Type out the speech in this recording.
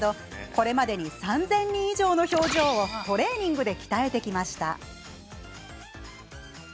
これまで３０００人以上の表情をトレーニングで鍛えてきました。